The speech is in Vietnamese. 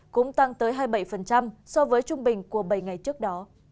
cũng tăng tới hai mươi bảy so với trung bình của bảy ngày trước đó